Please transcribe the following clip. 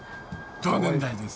同年代です。